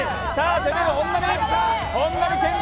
攻める本並健治！